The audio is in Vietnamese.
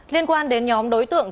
liên quan đến nhóm đối tượng